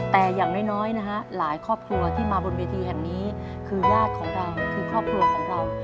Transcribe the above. แต่อย่างน้อยนะฮะหลายครอบครัวที่มาบนเวทีแห่งนี้คือญาติของเราคือครอบครัวของเรา